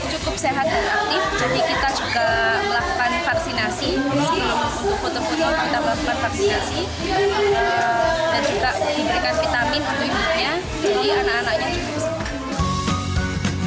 cukup sehat dan aktif jadi kita juga melakukan vaksinasi untuk foto foto kita melakukan vaksinasi dan juga diberikan vitamin untuk hidupnya jadi anak anaknya juga